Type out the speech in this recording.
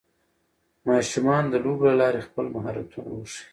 ماشومان د لوبو له لارې خپل مهارتونه وښيي